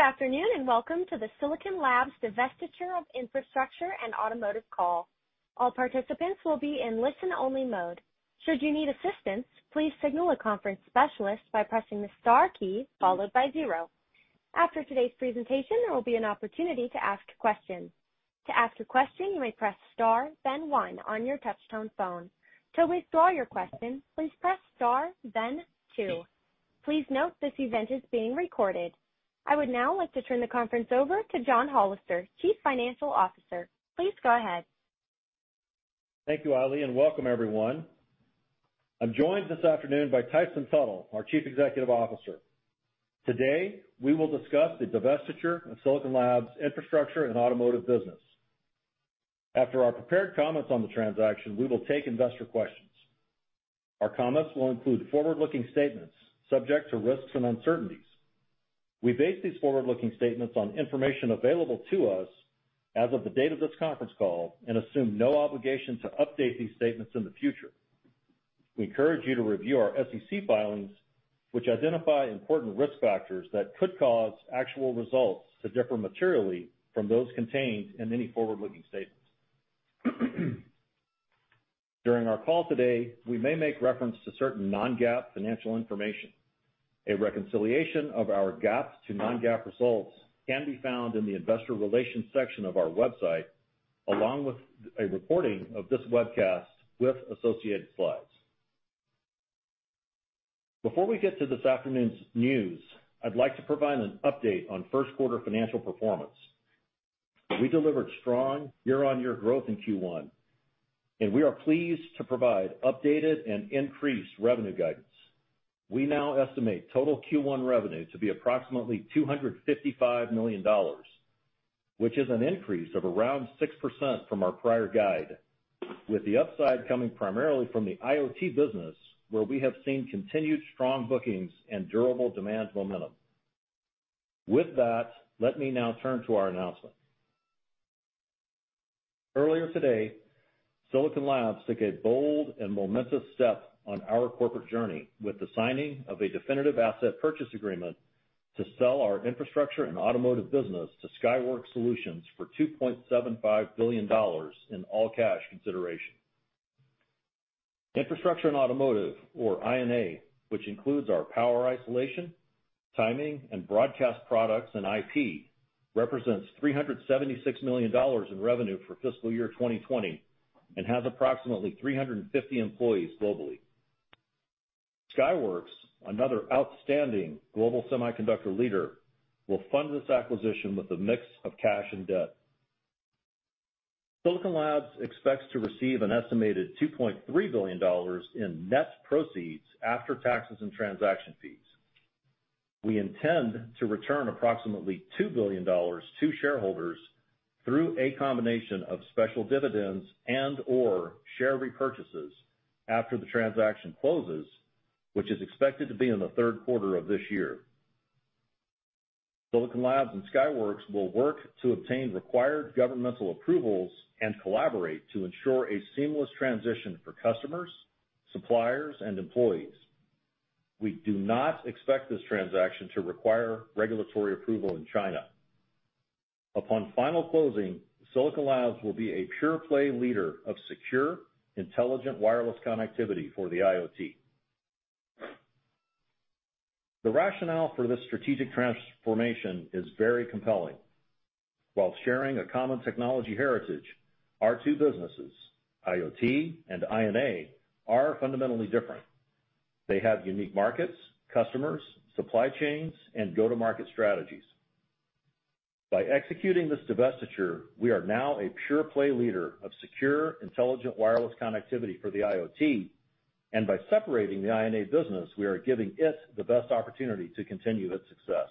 Good afternoon, and welcome to the Silicon Labs Divestiture of Infrastructure and Automotive Call. All participants will be in listen-only mode. Should you need assistance, please signal a conference specialist by pressing the star key followed by zero. After today's presentation, there will be an opportunity to ask questions. To ask a question, you may press star then one on your touch-tone phone. To withdraw your question, please press star then two. Please note this event is being recorded. I would now like to turn the conference over to John Hollister, Chief Financial Officer. Please go ahead. Thank you, Allie, and welcome everyone. I'm joined this afternoon by Tyson Tuttle, our Chief Executive Officer. Today, we will discuss the divestiture of Silicon Labs infrastructure and automotive business. After our prepared comments on the transaction, we will take investor questions. Our comments will include forward-looking statements, subject to risks and uncertainties. We base these forward-looking statements on information available to us as of the date of this conference call and assume no obligation to update these statements in the future. We encourage you to review our SEC filings, which identify important risk factors that could cause actual results to differ materially from those contained in any forward-looking statements. During our call today, we may make reference to certain non-GAAP financial information. A reconciliation of our GAAP to non-GAAP results can be found in the investor relations section of our website, along with a recording of this webcast with associated slides. Before we get to this afternoon's news, I'd like to provide an update on first quarter financial performance. We delivered strong year-on-year growth in Q1, and we are pleased to provide updated and increased revenue guidance. We now estimate total Q1 revenue to be approximately $255 million, which is an increase of around 6% from our prior guide, with the upside coming primarily from the IoT business, where we have seen continued strong bookings and durable demand momentum. With that, let me now turn to our announcement. Earlier today, Silicon Labs took a bold and momentous step on our corporate journey with the signing of a definitive asset purchase agreement to sell our infrastructure and automotive business to Skyworks Solutions for $2.75 billion in all-cash consideration. Infrastructure and automotive, or I&A, which includes our power isolation, timing, and broadcast products and IP, represents $376 million in revenue for fiscal year 2020 and has approximately 350 employees globally. Skyworks, another outstanding global semiconductor leader, will fund this acquisition with a mix of cash and debt. Silicon Labs expects to receive an estimated $2.3 billion in net proceeds after taxes and transaction fees. We intend to return approximately $2 billion to shareholders through a combination of special dividends and/or share repurchases after the transaction closes, which is expected to be in the third quarter of this year. Silicon Labs and Skyworks will work to obtain required governmental approvals and collaborate to ensure a seamless transition for customers, suppliers, and employees. We do not expect this transaction to require regulatory approval in China. Upon final closing, Silicon Labs will be a pure-play leader of secure, intelligent wireless connectivity for the IoT. The rationale for this strategic transformation is very compelling. While sharing a common technology heritage, our two businesses, IoT and I&A, are fundamentally different. They have unique markets, customers, supply chains, and go-to-market strategies. By executing this divestiture, we are now a pure-play leader of secure, intelligent wireless connectivity for the IoT, and by separating the I&A business, we are giving it the best opportunity to continue its success.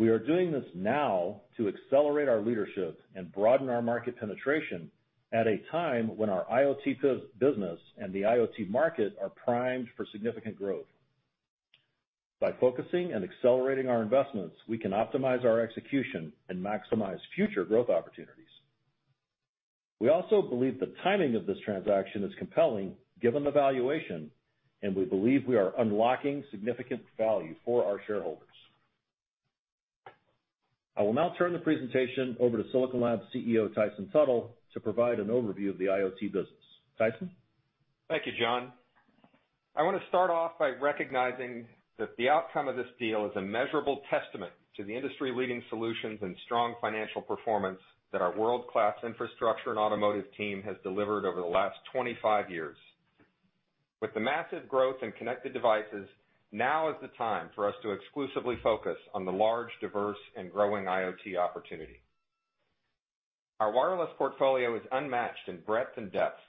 We are doing this now to accelerate our leadership and broaden our market penetration at a time when our IoT business and the IoT market are primed for significant growth. By focusing and accelerating our investments, we can optimize our execution and maximize future growth opportunities. We also believe the timing of this transaction is compelling given the valuation, and we believe we are unlocking significant value for our shareholders. I will now turn the presentation over to Silicon Labs CEO, Tyson Tuttle, to provide an overview of the IoT business. Tyson? Thank you, John. I want to start off by recognizing that the outcome of this deal is a measurable testament to the industry-leading solutions and strong financial performance that our world-class infrastructure and automotive team has delivered over the last 25 years. With the massive growth in connected devices, now is the time for us to exclusively focus on the large, diverse, and growing IoT opportunity. Our wireless portfolio is unmatched in breadth and depth.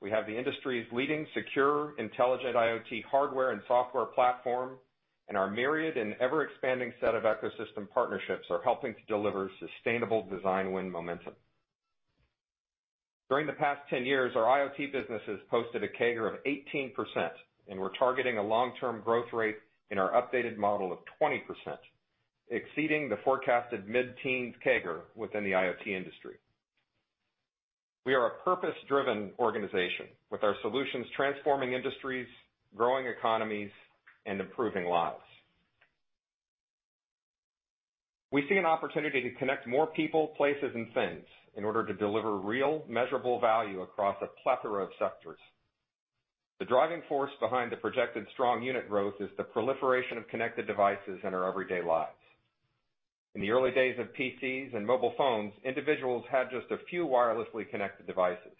We have the industry's leading secure, intelligent IoT hardware and software platform, and our myriad and ever-expanding set of ecosystem partnerships are helping to deliver sustainable design win momentum. During the past 10 years, our IoT businesses posted a CAGR of 18%, and we're targeting a long-term growth rate in our updated model of 20%, exceeding the forecasted mid-teens CAGR within the IoT industry. We are a purpose-driven organization with our solutions transforming industries, growing economies, and improving lives. We see an opportunity to connect more people, places, and things in order to deliver real measurable value across a plethora of sectors. The driving force behind the projected strong unit growth is the proliferation of connected devices in our everyday lives. In the early days of PCs and mobile phones, individuals had just a few wirelessly connected devices.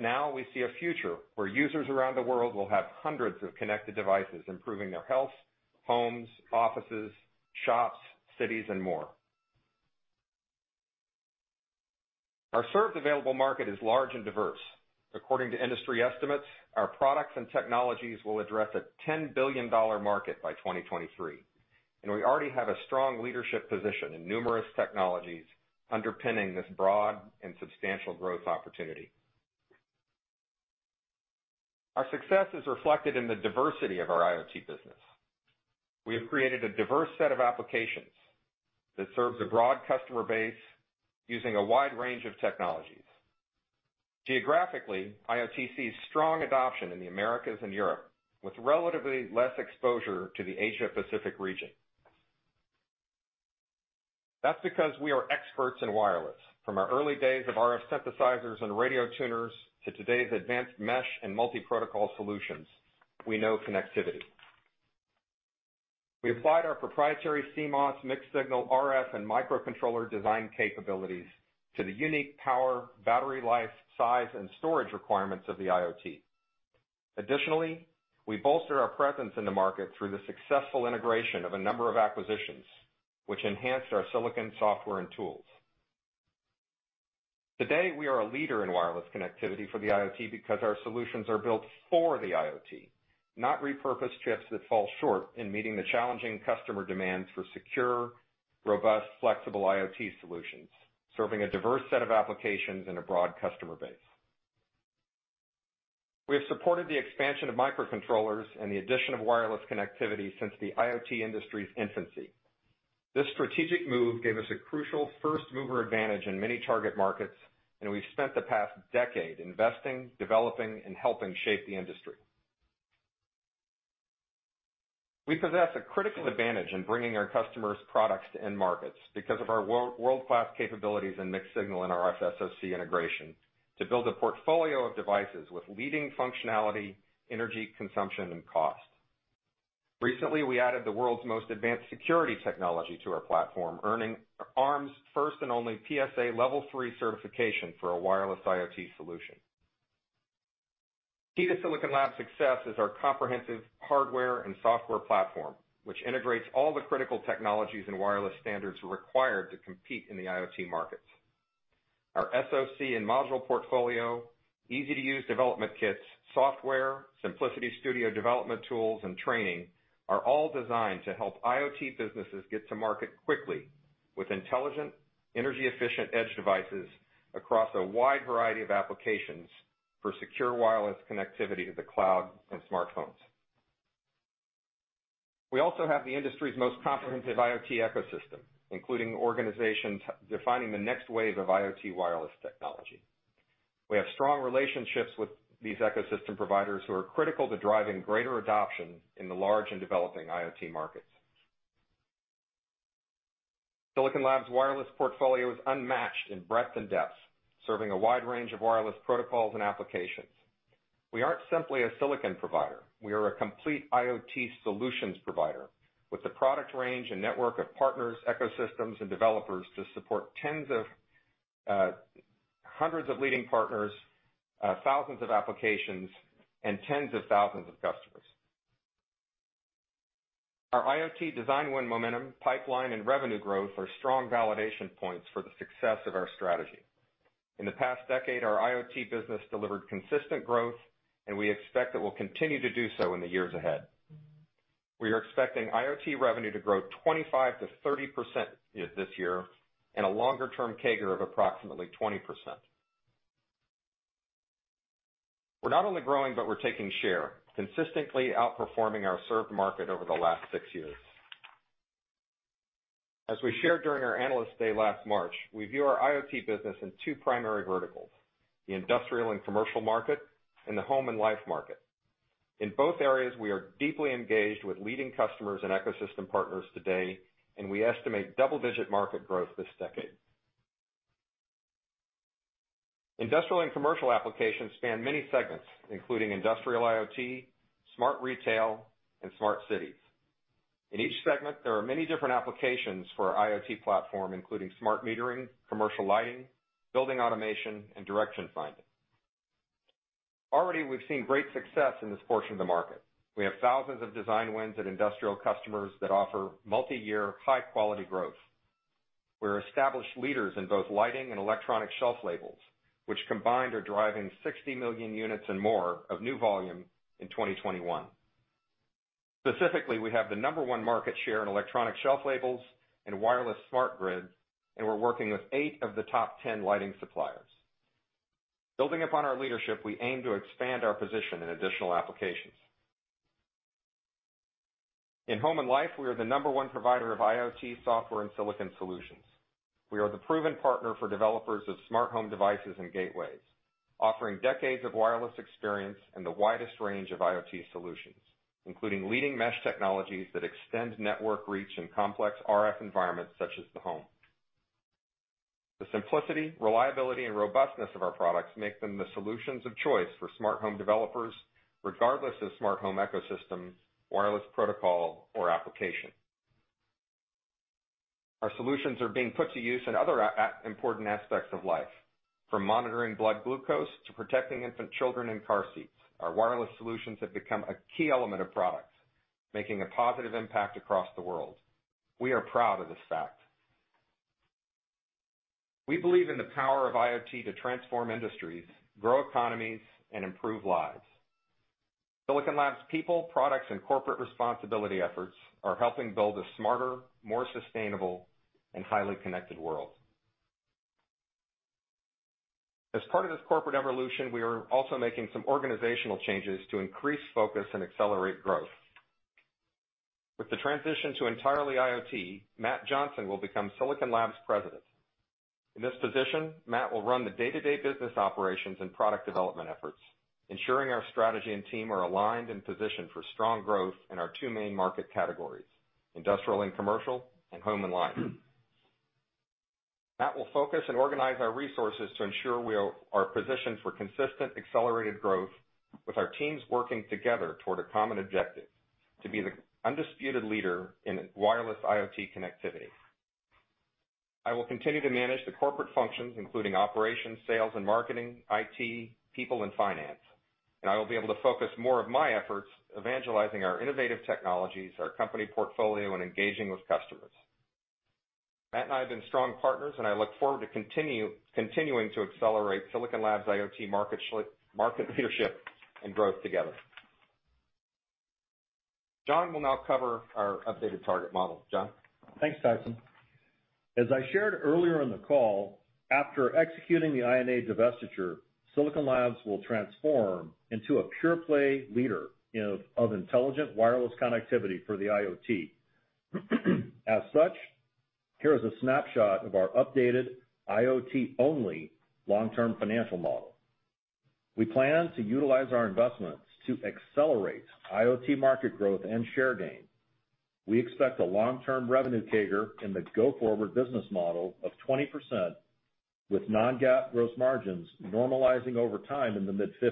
Now we see a future where users around the world will have hundreds of connected devices improving their health, homes, offices, shops, cities, and more. Our served available market is large and diverse. According to industry estimates, our products and technologies will address a $10 billion market by 2023, and we already have a strong leadership position in numerous technologies underpinning this broad and substantial growth opportunity. Our success is reflected in the diversity of our IoT business. We have created a diverse set of applications that serves a broad customer base using a wide range of technologies. Geographically, IoT sees strong adoption in the Americas and Europe, with relatively less exposure to the Asia-Pacific region. That's because we are experts in wireless. From our early days of RF synthesizers and radio tuners to today's advanced mesh and multi-protocol solutions, we know connectivity. We applied our proprietary CMOS, mixed-signal RF, and microcontroller design capabilities to the unique power, battery life, size, and storage requirements of the IoT. Additionally, we bolster our presence in the market through the successful integration of a number of acquisitions, which enhanced our silicon software and tools. Today, we are a leader in wireless connectivity for the IoT because our solutions are built for the IoT, not repurposed chips that fall short in meeting the challenging customer demands for secure, robust, flexible IoT solutions, serving a diverse set of applications and a broad customer base. We have supported the expansion of microcontrollers and the addition of wireless connectivity since the IoT industry's infancy. This strategic move gave us a crucial first-mover advantage in many target markets, and we've spent the past decade investing, developing, and helping shape the industry. We possess a critical advantage in bringing our customers products to end markets because of our world-class capabilities in mixed-signal and RF SoC integration to build a portfolio of devices with leading functionality, energy consumption, and cost. Recently, we added the world's most advanced security technology to our platform, earning Arm's first and only PSA Level 3 certification for a wireless IoT solution. Key to Silicon Labs' success is our comprehensive hardware and software platform, which integrates all the critical technologies and wireless standards required to compete in the IoT markets. Our SoC and module portfolio, easy-to-use development kits, software, Simplicity Studio development tools, and training are all designed to help IoT businesses get to market quickly with intelligent, energy-efficient edge devices across a wide variety of applications for secure wireless connectivity to the cloud and smartphones. We also have the industry's most comprehensive IoT ecosystem, including organizations defining the next wave of IoT wireless technology. We have strong relationships with these ecosystem providers who are critical to driving greater adoption in the large and developing IoT markets. Silicon Labs wireless portfolio is unmatched in breadth and depth, serving a wide range of wireless protocols and applications. We aren't simply a silicon provider. We are a complete IoT solutions provider with the product range and network of partners, ecosystems, and developers to support hundreds of leading partners, thousands of applications, and tens of thousands of customers. Our IoT design win momentum, pipeline, and revenue growth are strong validation points for the success of our strategy. In the past decade, our IoT business delivered consistent growth, and we expect it will continue to do so in the years ahead. We are expecting IoT revenue to grow 25% to 30% this year and a longer-term CAGR of approximately 20%. We're not only growing, but we're taking share, consistently outperforming our served market over the last six years. As we shared during our Analyst Day last March, we view our IoT business in two primary verticals, the industrial and commercial market, and the home and life market. In both areas, we are deeply engaged with leading customers and ecosystem partners today, and we estimate double-digit market growth this decade. Industrial and commercial applications span many segments, including industrial IoT, smart retail, and smart cities. In each segment, there are many different applications for our IoT platform, including smart metering, commercial lighting, building automation, and direction finding. Already we've seen great success in this portion of the market. We have thousands of design wins and industrial customers that offer multi-year, high-quality growth. We're established leaders in both lighting and electronic shelf labels, which combined are driving 60 million units and more of new volume in 2021. Specifically, we have the number one market share in electronic shelf labels and wireless smart grids, and we're working with eight of the top 10 lighting suppliers. Building upon our leadership, we aim to expand our position in additional applications. In home and life, we are the number one provider of IoT software and silicon solutions. We are the proven partner for developers of smart home devices and gateways, offering decades of wireless experience and the widest range of IoT solutions, including leading mesh technologies that extend network reach in complex RF environments such as the home. The simplicity, reliability, and robustness of our products make them the solutions of choice for smart home developers, regardless of smart home ecosystem, wireless protocol, or application. Our solutions are being put to use in other important aspects of life, from monitoring blood glucose to protecting infant children in car seats. Our wireless solutions have become a key element of products, making a positive impact across the world. We are proud of this fact. We believe in the power of IoT to transform industries, grow economies, and improve lives. Silicon Labs' people, products, and corporate responsibility efforts are helping build a smarter, more sustainable, and highly connected world. As part of this corporate evolution, we are also making some organizational changes to increase focus and accelerate growth. With the transition to entirely IoT, Matt Johnson will become Silicon Labs President. In this position, Matt will run the day-to-day business operations and product development efforts, ensuring our strategy and team are aligned and positioned for strong growth in our two main market categories: industrial and commercial, and home and life. Matt will focus and organize our resources to ensure we are positioned for consistent accelerated growth with our teams working together toward a common objective, to be the undisputed leader in wireless IoT connectivity. I will continue to manage the corporate functions, including operations, sales and marketing, IT, people, and finance. I will be able to focus more of my efforts evangelizing our innovative technologies, our company portfolio, and engaging with customers. Matt and I have been strong partners. I look forward to continuing to accelerate Silicon Labs' IoT market leadership and growth together. John will now cover our updated target model. John? Thanks, Tyson. As I shared earlier in the call, after executing the I&A divestiture, Silicon Labs will transform into a pure-play leader of intelligent wireless connectivity for the IoT. As such, here is a snapshot of our updated IoT-only long-term financial model. We plan to utilize our investments to accelerate IoT market growth and share gain. We expect a long-term revenue CAGR in the go-forward business model of 20%, with non-GAAP gross margins normalizing over time in the mid-50s.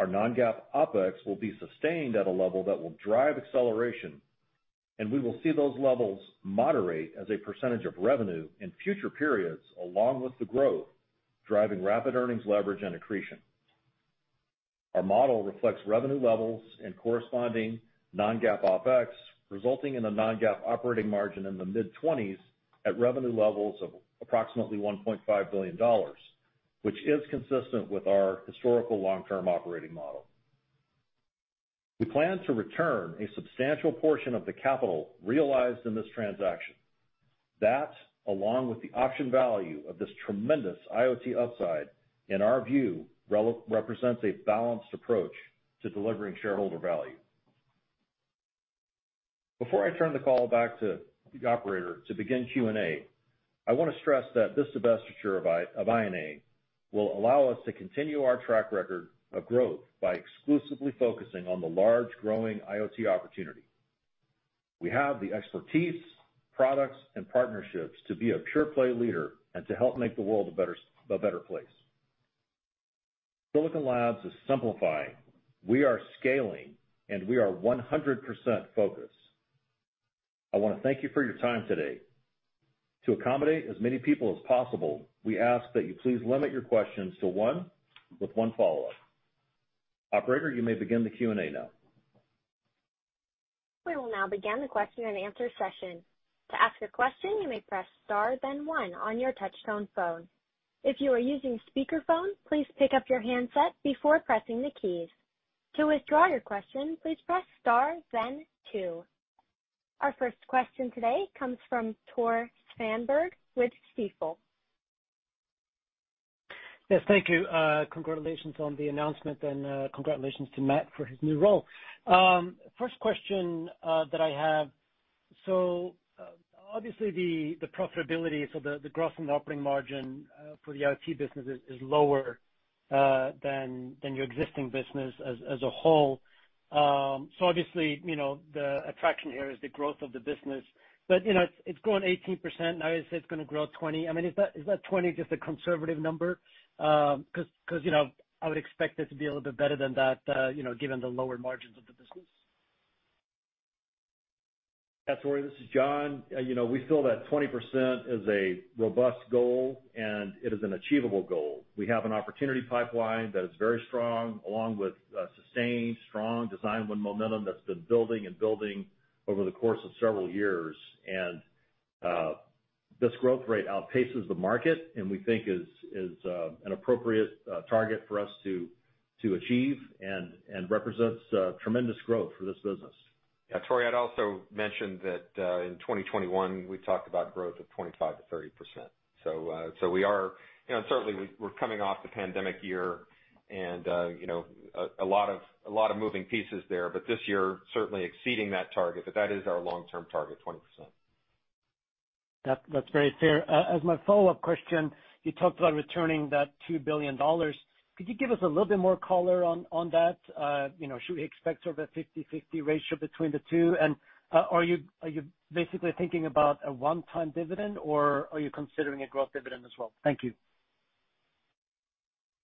Our non-GAAP OpEx will be sustained at a level that will drive acceleration, we will see those levels moderate as a percentage of revenue in future periods along with the growth, driving rapid earnings leverage and accretion. Our model reflects revenue levels and corresponding non-GAAP OpEx, resulting in a non-GAAP operating margin in the mid-20s at revenue levels of approximately $1.5 billion, which is consistent with our historical long-term operating model. We plan to return a substantial portion of the capital realized in this transaction. That, along with the option value of this tremendous IoT upside, in our view, represents a balanced approach to delivering shareholder value. Before I turn the call back to the operator to begin Q&A, I want to stress that this divestiture of I&A will allow us to continue our track record of growth by exclusively focusing on the large growing IoT opportunity. We have the expertise, products, and partnerships to be a pure-play leader and to help make the world a better place. Silicon Labs is simplifying. We are scaling, and we are 100% focused. I want to thank you for your time today. To accommodate as many people as possible, we ask that you please limit your questions to one with one follow-up. Operator, you may begin the Q&A now. We will now begin the question and answer session. To ask a question, you may press star then one on your touch-tone phone. If you are using speakerphone, please pick up your handset before pressing the keys. To withdraw your question, please press star then two. Our first question today comes from Tore Svanberg with Stifel. Yes. Thank you. Congratulations on the announcement and congratulations to Matt for his new role. First question that I have. Obviously, the profitability, so the gross and the operating margin for the IoT business is lower than your existing business as a whole. Obviously, the attraction here is the growth of the business. It's grown 18%, now you say it's going to grow 20. Is that 20 just a conservative number? Because I would expect it to be a little bit better than that given the lower margins of the business. Yeah, Tore, this is John. We feel that 20% is a robust goal, and it is an achievable goal. We have an opportunity pipeline that is very strong, along with sustained strong design win momentum that's been building and building over the course of several years. This growth rate outpaces the market, and we think is an appropriate target for us to achieve and represents tremendous growth for this business. Yeah, Tore, I'd also mention that in 2021, we talked about growth of 25% to 30%. Certainly, we're coming off the pandemic year and a lot of moving pieces there, but this year certainly exceeding that target, but that is our long-term target, 20%. That's very fair. As my follow-up question, you talked about returning that $2 billion. Could you give us a little bit more color on that? Should we expect sort of a 50/50 ratio between the two? Are you basically thinking about a one-time dividend, or are you considering a growth dividend as well? Thank you.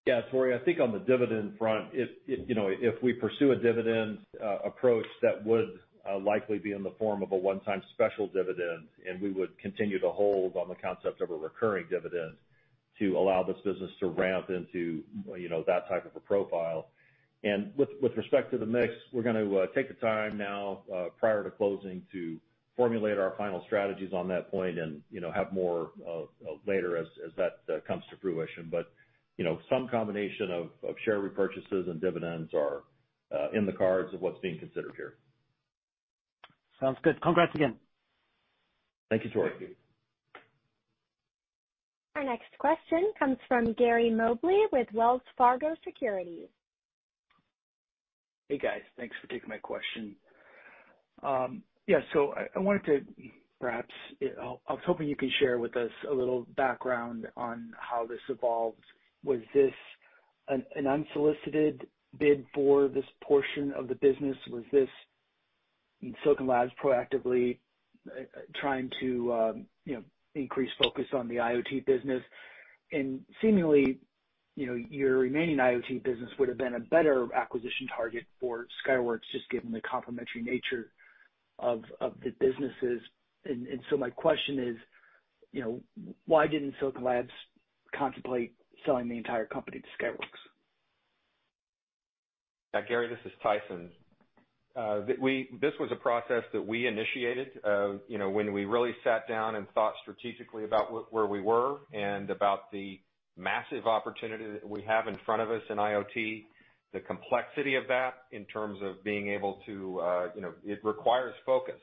Yeah, Tore, I think on the dividend front, if we pursue a dividend approach, that would likely be in the form of a one-time special dividend, and we would continue to hold on the concept of a recurring dividend to allow this business to ramp into that type of a profile. With respect to the mix, we're going to take the time now, prior to closing, to formulate our final strategies on that point and have more later as that comes to fruition. Some combination of share repurchases and dividends are in the cards of what's being considered here. Sounds good. Congrats again. Thank you, Tore. Our next question comes from Gary Mobley with Wells Fargo Securities. Hey, guys. Thanks for taking my question. Yeah. I was hoping you could share with us a little background on how this evolved. Was this an unsolicited bid for this portion of the business? Was this Silicon Labs proactively trying to increase focus on the IoT business? Seemingly, your remaining IoT business would've been a better acquisition target for Skyworks, just given the complementary nature of the businesses. My question is, why didn't Silicon Labs contemplate selling the entire company to Skyworks? Yeah, Gary, this is Tyson. This was a process that we initiated when we really sat down and thought strategically about where we were and about the massive opportunity that we have in front of us in IoT, the complexity of that in terms of being able to. It requires focus,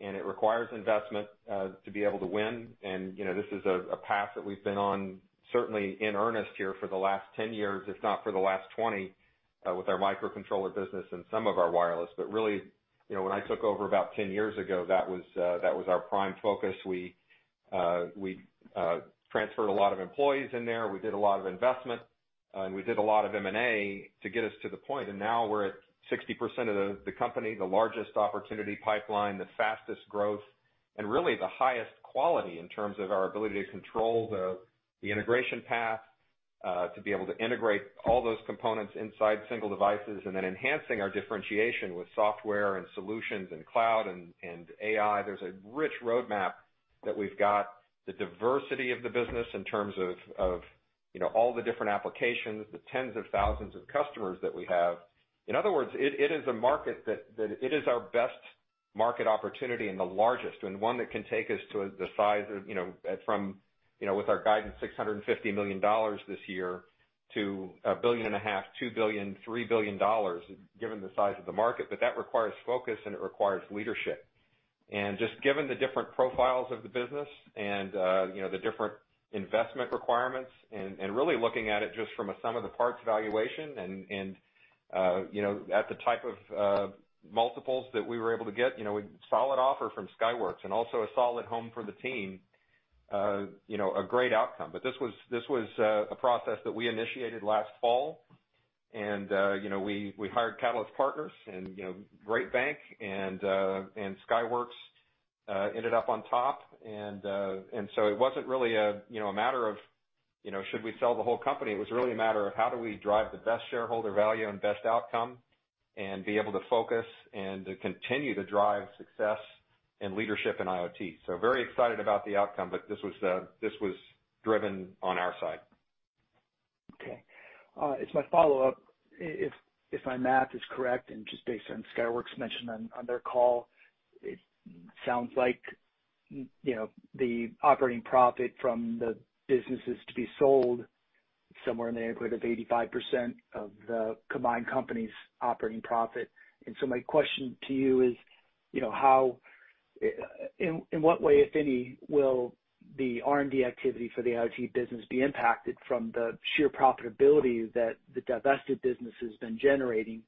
and it requires investment to be able to win. This is a path that we've been on, certainly in earnest here for the last 10 years, if not for the last 20, with our microcontroller business and some of our wireless. Really, when I took over about 10 years ago, that was our prime focus. We transferred a lot of employees in there. We did a lot of investment, and we did a lot of M&A to get us to the point. Now we're at 60% of the company, the largest opportunity pipeline, the fastest growth, and really the highest quality in terms of our ability to control the integration path, to be able to integrate all those components inside single devices, and then enhancing our differentiation with software and solutions and cloud and AI. There's a rich roadmap that we've got. The diversity of the business in terms of all the different applications, the tens of thousands of customers that we have. In other words, it is our best market opportunity and the largest, and one that can take us to the size of, with our guidance, $650 million this year to $1.5 billion, $2 billion, $3 billion, given the size of the market. That requires focus and it requires leadership. just given the different profiles of the business and the different investment requirements and really looking at it just from a sum of the parts valuation and at the type of multiples that we were able to get, a solid offer from Skyworks and also a solid home for the team, a great outcome. This was a process that we initiated last fall and we hired Qatalyst Partners and [great bank], and Skyworks ended up on top. it wasn't really a matter of should we sell the whole company. It was really a matter of how do we drive the best shareholder value and best outcome and be able to focus and to continue to drive success and leadership in IoT. very excited about the outcome, but this was driven on our side. Okay. As my follow-up, if my math is correct and just based on Skyworks mention on their call, it sounds like the operating profit from the business is to be sold somewhere in the neighborhood of 85% of the combined company's operating profit. My question to you is, in what way, if any, will the R&D activity for the IoT business be impacted from the sheer profitability that the divested business has been generating,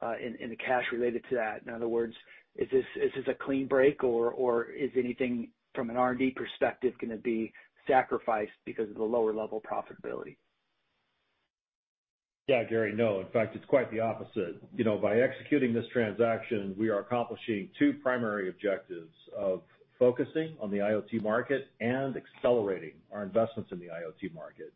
and the cash related to that? In other words, is this a clean break, or is anything from an R&D perspective gonna be sacrificed because of the lower level profitability? Yeah, Gary, no. In fact, it's quite the opposite. By executing this transaction, we are accomplishing two primary objectives of focusing on the IoT market and accelerating our investments in the IoT market.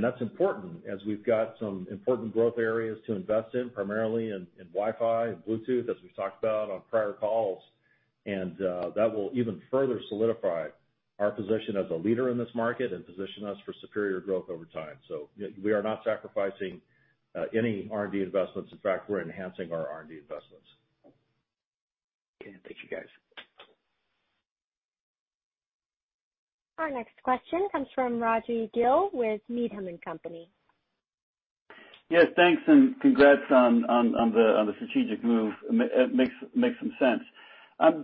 That's important as we've got some important growth areas to invest in, primarily in Wi-Fi and Bluetooth, as we've talked about on prior calls. That will even further solidify our position as a leader in this market and position us for superior growth over time. We are not sacrificing any R&D investments. In fact, we're enhancing our R&D investments. Okay. Thank you, guys. Our next question comes from Raji Gill with Needham & Company. Yeah, thanks, and congrats on the strategic move. It makes some sense.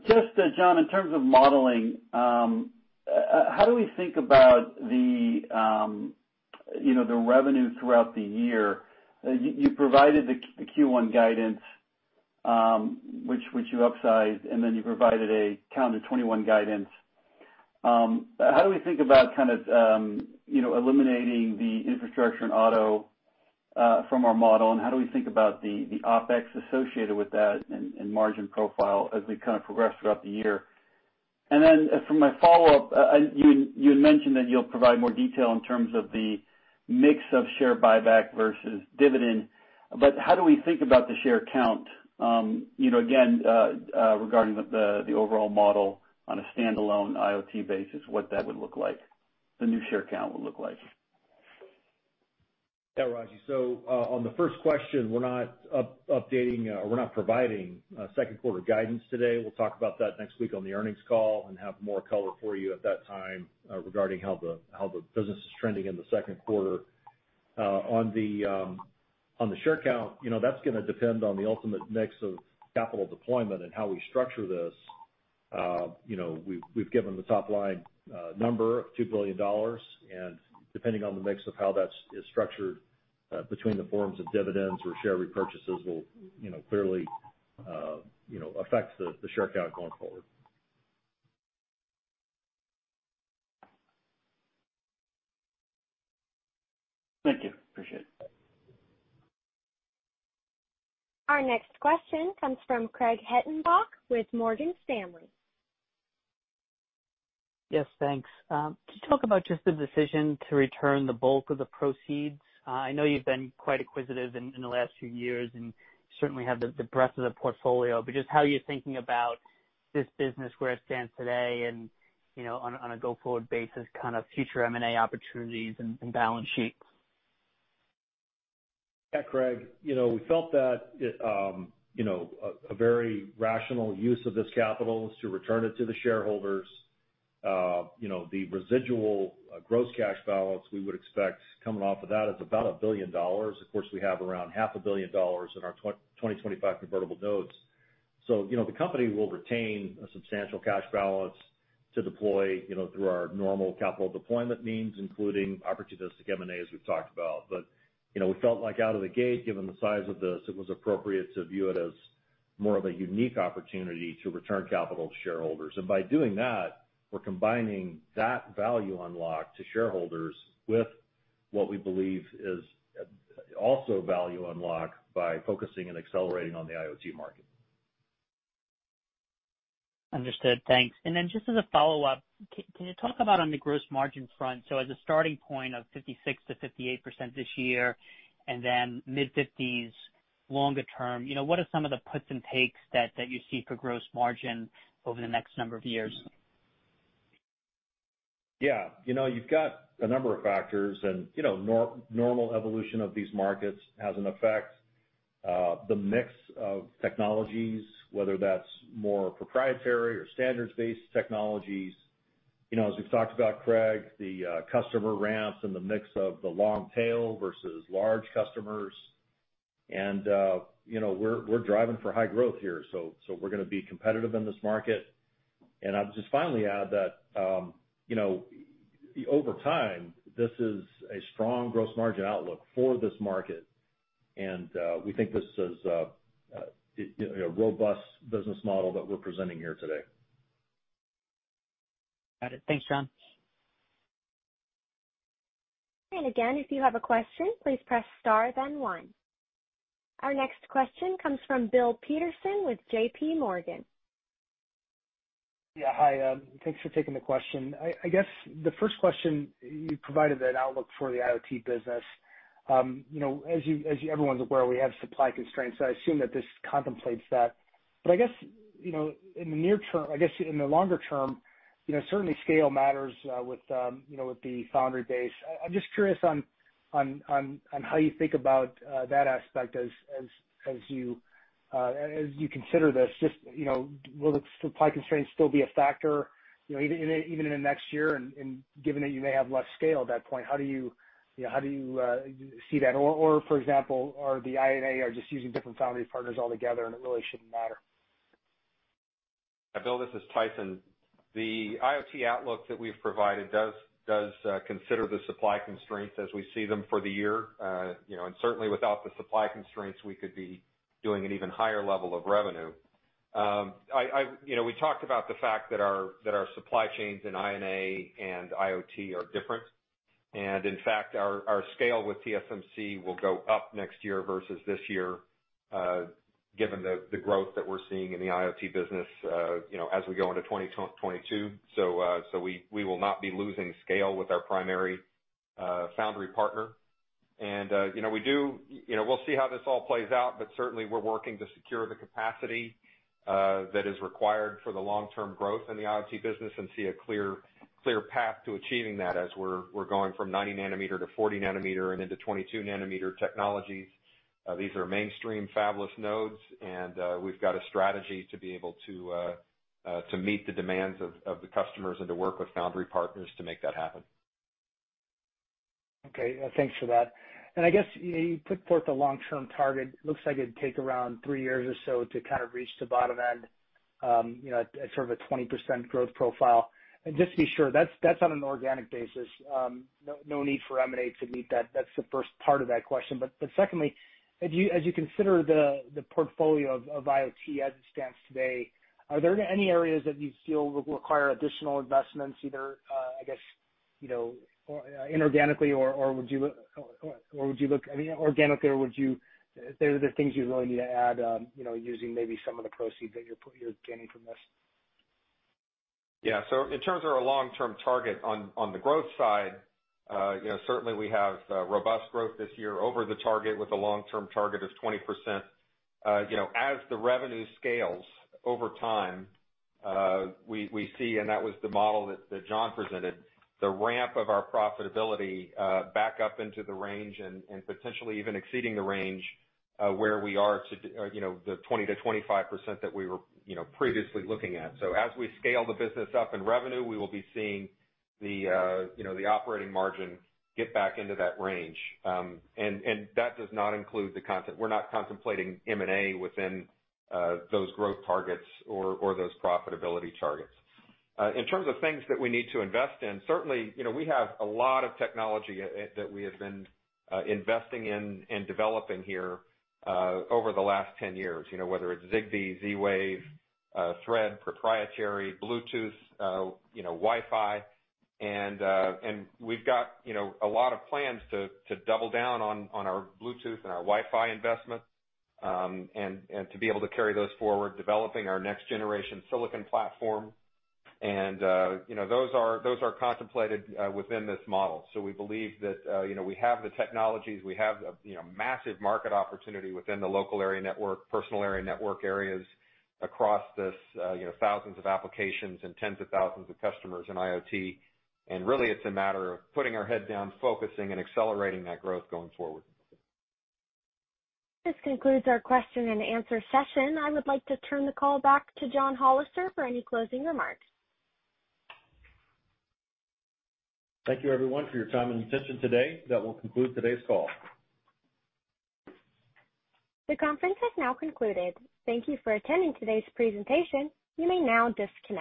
Just, John, in terms of modeling, how do we think about the revenue throughout the year? You provided the Q1 guidance which you upsized, and then you provided a calendar 2021 guidance. How do we think about eliminating the infrastructure and auto from our model, and how do we think about the OpEx associated with that and margin profile as we progress throughout the year? For my follow-up, you had mentioned that you'll provide more detail in terms of the mix of share buyback versus dividend, but how do we think about the share count, again, regarding the overall model on a standalone IoT basis, what that would look like, the new share count would look like? Yeah, Raji. On the first question, we're not updating, or we're not providing second quarter guidance today. We'll talk about that next week on the earnings call and have more color for you at that time regarding how the business is trending in the second quarter. On the share count, that's going to depend on the ultimate mix of capital deployment and how we structure this. We've given the top-line number of $2 billion, and depending on the mix of how that is structured between the forms of dividends or share repurchases will clearly affect the share count going forward. Thank you. Appreciate it. Our next question comes from Craig Hettenbach with Morgan Stanley. Yes, thanks. Could you talk about just the decision to return the bulk of the proceeds? I know you've been quite acquisitive in the last few years and certainly have the breadth of the portfolio, but just how you're thinking about this business, where it stands today, and on a go-forward basis, kind of future M&A opportunities and balance sheets. Yeah, Craig. We felt that a very rational use of this capital is to return it to the shareholders. The residual gross cash balance we would expect coming off of that is about $1 billion. Of course, we have around half a billion dollars in our 2025 convertible notes. The company will retain a substantial cash balance to deploy through our normal capital deployment means, including opportunistic M&A, as we've talked about. We felt like out of the gate, given the size of this, it was appropriate to view it as more of a unique opportunity to return capital to shareholders. By doing that, we're combining that value unlock to shareholders with what we believe is also value unlock by focusing and accelerating on the IoT market. Understood. Thanks. Just as a follow-up, can you talk about on the gross margin front, so as a starting point of 56%-58% this year and then mid-50s longer term, what are some of the puts and takes that you see for gross margin over the next number of years? Yeah. You've got a number of factors, and normal evolution of these markets has an effect. The mix of technologies, whether that's more proprietary or standards-based technologies. As we've talked about, Craig, the customer ramps and the mix of the long tail versus large customers. we're driving for high growth here, so we're going to be competitive in this market. I'll just finally add that over time, this is a strong gross margin outlook for this market, and we think this is a robust business model that we're presenting here today. Got it. Thanks, John. Again, if you have a question, please press star then one. Our next question comes from Bill Peterson with JPMorgan. Yeah, hi. Thanks for taking the question. I guess the first question, you provided an outlook for the IoT business. As everyone's aware, we have supply constraints, so I assume that this contemplates that. I guess in the longer term, certainly scale matters with the foundry base. I'm just curious on how you think about that aspect as you consider this. Will the supply constraints still be a factor even in the next year? Given that you may have less scale at that point, how do you see that? For example, are the I&A just using different foundry partners altogether and it really shouldn't matter? Bill, this is Tyson. The IoT outlook that we've provided does consider the supply constraints as we see them for the year. Certainly without the supply constraints, we could be doing an even higher level of revenue. We talked about the fact that our supply chains in I&A and IoT are different. In fact, our scale with TSMC will go up next year versus this year, given the growth that we're seeing in the IoT business as we go into 2022. We will not be losing scale with our primary foundry partner. We'll see how this all plays out, but certainly we're working to secure the capacity that is required for the long-term growth in the IoT business and see a clear path to achieving that as we're going from 90 nm to 40 nm and into 22 nm technologies. These are mainstream fabless nodes, and we've got a strategy to be able to meet the demands of the customers and to work with foundry partners to make that happen. Okay, thanks for that. I guess you put forth the long-term target. Looks like it'd take around three years or so to kind of reach the bottom end. At sort of a 20% growth profile. Just to be sure, that's on an organic basis. No need for M&A to meet that. That's the first part of that question. Secondly, as you consider the portfolio of IoT as it stands today, are there any areas that you feel would require additional investments, either, I guess, inorganically, or would you look. I mean, organically, are there things you really need to add using maybe some of the proceeds that you're gaining from this? Yeah. In terms of our long-term target on the growth side, certainly we have robust growth this year over the target, with the long-term target of 20%. As the revenue scales over time, we see, and that was the model that John presented, the ramp of our profitability back up into the range and potentially even exceeding the range where we are to the 20%-25% that we were previously looking at. as we scale the business up in revenue, we will be seeing the operating margin get back into that range. that does not include we're not contemplating M&A within those growth targets or those profitability targets. In terms of things that we need to invest in, certainly, we have a lot of technology that we have been investing in and developing here over the last 10 years, whether it's Zigbee, Z-Wave, Thread, proprietary Bluetooth, Wi-Fi. We've got a lot of plans to double down on our Bluetooth and our Wi-Fi investments, and to be able to carry those forward, developing our next generation silicon platform. Those are contemplated within this model. We believe that we have the technologies, we have a massive market opportunity within the local area network, personal area network areas across this thousands of applications and tens of thousands of customers in IoT. Really, it's a matter of putting our head down, focusing, and accelerating that growth going forward. This concludes our question and answer session. I would like to turn the call back to John Hollister for any closing remarks. Thank you, everyone, for your time and attention today. That will conclude today's call. The conference has now concluded. Thank you for attending today's presentation. You may now disconnect.